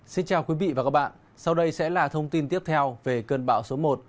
xin chào quý vị và các bạn sau đây sẽ là thông tin tiếp theo về cơn bão số một